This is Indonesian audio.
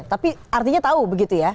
tapi artinya tahu begitu ya